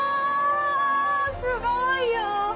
すごいよ！